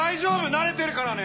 慣れてるからね！